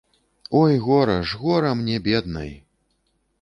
Ой, гора ж, гора мне, беднай!